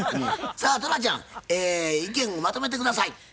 さあトラちゃん意見をまとめて下さい。